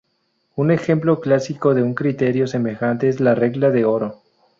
Un ejemplo clásico de un criterio semejante es la regla de oro.